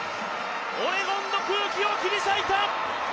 オレゴンの空気を切り裂いた！